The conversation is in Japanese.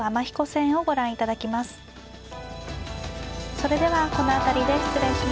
それではこの辺りで失礼します。